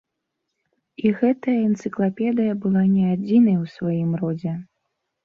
І гэтая энцыклапедыя была не адзінай у сваім родзе.